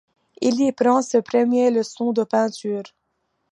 Il y prend ses premières leçons de peinture.